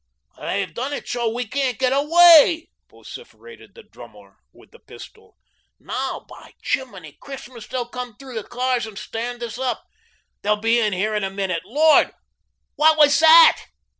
"They've done it so we can't get away," vociferated the drummer with the pistol. "Now, by jiminy Christmas, they'll come through the cars and stand us up. They'll be in here in a minute. LORD! WHAT WAS THAT?"